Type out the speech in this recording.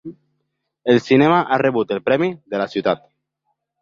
El cinema ha rebut el Premi de la Ciutat.